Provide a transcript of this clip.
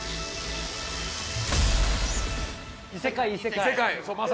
異世界異世界。